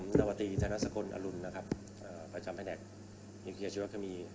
ผมนวตีธนสกรอลุณประจำแผนกอิงเกียร์ชีวาคมี